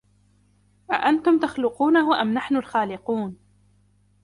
أَأَنتُمْ تَخْلُقُونَهُ أَمْ نَحْنُ الْخَالِقُونَ